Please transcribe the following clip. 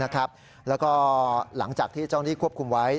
แล้วก็หลังจากที่เจ้าหน้าที่ควบคุมไว้